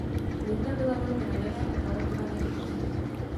Linda byla velmi nadané a talentované dítě.